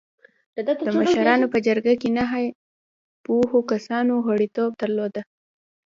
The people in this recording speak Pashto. د مشرانو په جرګه کې نهه پوهو کسانو غړیتوب درلوده.